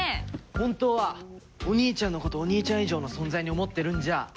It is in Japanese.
本当はお兄ちゃんの事お兄ちゃん以上の存在に思ってるんじゃ？